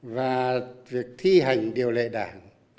và việc thi hành điều lệ đảng